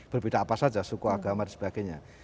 berbeda apa saja suku agama dan sebagainya